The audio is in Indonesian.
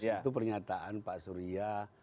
itu pernyataan pak surya